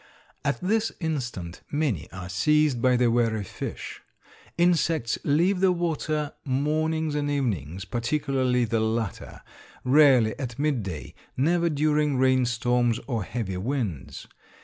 At this instant many are seized by the wary fish. Insects leave the water mornings and evenings, particularly the latter, rarely at midday, never during rain storms or heavy winds.